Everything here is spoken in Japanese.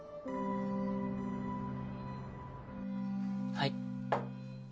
はい。